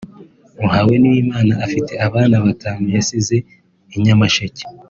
Muhawenimana ufite abana batanu yasize i Nyamasheke